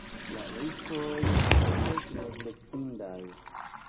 La riskoj estas neglektindaj.